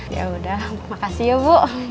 yaudah makasih ya bu